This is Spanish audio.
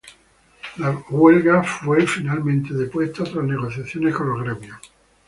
La huelga fue finalmente depuesta tras negociaciones con los gremios.